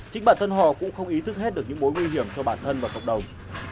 chính bản thân họ cũng không ý thức hết được những mối nguy hiểm cho bản thân và cộng đồng